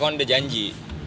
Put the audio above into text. gue kan udah janji